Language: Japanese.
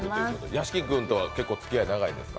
屋敷君とは結構、つきあい長いんですか？